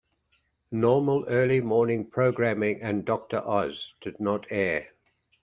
Normal early morning programming and "Doctor Oz" did not air.